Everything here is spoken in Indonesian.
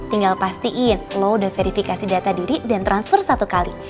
tinggal pastiin lo udah verifikasi data diri dan transfer satu kali